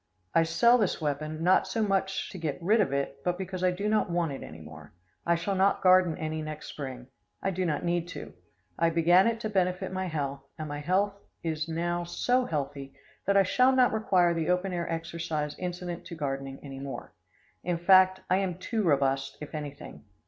I sell this weapon, not so much to get rid of it, but because I do not want it any more. I shall not garden any next spring. I do not need to. I began it to benefit my health, and my health is now so healthy that I shall not require the open air exercise incident to gardening any more. In fact, I am too robust, if anything.